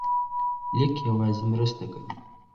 لیک یوازې مرسته کوي.